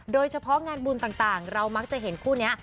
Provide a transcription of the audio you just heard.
โดยเฉพาะงานบุญต่างเรามักจะเห็นคู่นี้